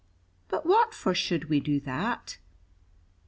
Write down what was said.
"But what for should we do that?"